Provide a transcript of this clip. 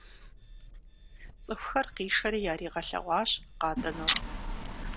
ЦӀыхухэр къишэри яригъэлъэгъуащ къатӀынур.